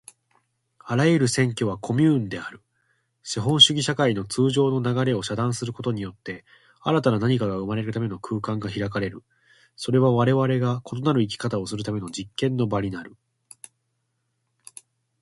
あらゆる占拠はコミューンである。資本主義社会の通常の流れを遮断することによって、新たな何かが生まれるための空間が開かれる。それはわれわれが異なる生き方をするための実験の場になる。